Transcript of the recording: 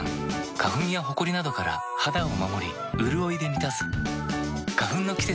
花粉やほこりなどから肌を守りうるおいで満たす。